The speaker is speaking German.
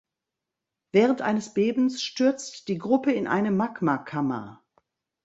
Während eines Bebens stürzt die Gruppe in eine Magmakammer.